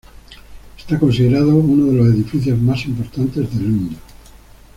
Está considerado uno de los edificios más importantes de Lund.